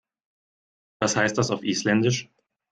Was heißt das auf Isländisch?